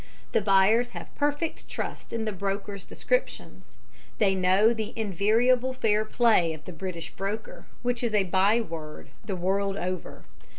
The buyers have perfect trust in the broker's descriptions; they know the invariable fair play of the British broker, which is a by word the world over.